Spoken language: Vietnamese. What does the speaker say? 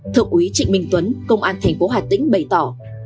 thượng úy trịnh minh tuấn công an thành phố hà tĩnh bày tỏ